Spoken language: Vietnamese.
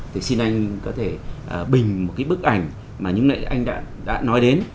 thì xin anh có thể bình một cái bức ảnh mà những nãy anh đã nói đến